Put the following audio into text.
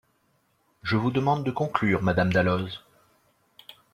Je vous demande de conclure, madame Dalloz.